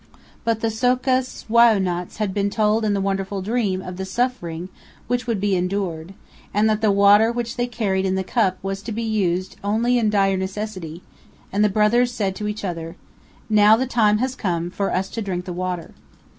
But the So'kus Wai'unats had been told in the wonderful dream of the suffering which would be endured, and that the water which they carried in the cup was to be used only in dire necessity; and the brothers said to each other: "Now the time has come for us to drink the water."